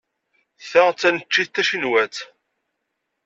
Ta d taneččit tacinwat.